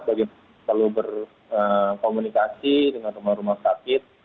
selalu berkomunikasi dengan rumah sakit